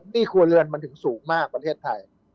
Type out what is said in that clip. ครัวเรือนมันถึงสูงมากประเทศไทย